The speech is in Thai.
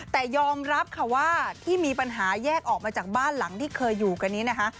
แต่ยอมรับค่ะว่าที่มีปัญหาแยกออกมาจากบ้านหลังที่เคยอยู่กันนี้นะคะ